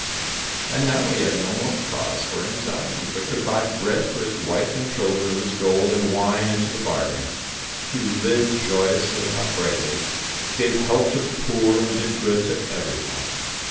And now he had no more cause for anxiety, but could buy bread for his wife and children with his gold, and wine into the bargain. He lived joyously and uprightly, gave help to the poor, and did good to every one.